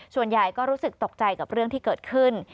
ส่วนใหญ่ก็รู้สึกตกใจกับเรื่องที่เกิดขึ้น